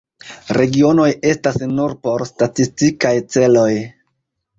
Regionoj estas nur por statistikaj celoj.